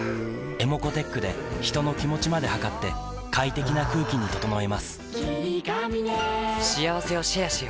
ｅｍｏｃｏーｔｅｃｈで人の気持ちまで測って快適な空気に整えます